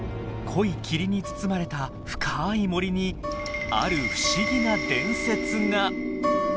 濃い霧に包まれた深い森にある不思議な伝説が。